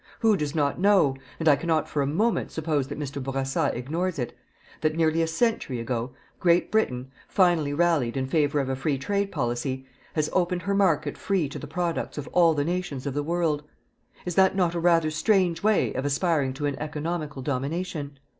Who does not know and I cannot for a moment suppose that Mr. Bourassa ignores it that, nearly a century ago, Great Britain, finally rallied in favour of a Free Trade Policy, has opened her market free to the products of all the nations of the world. Is that not a rather strange way of aspiring to an economical domination!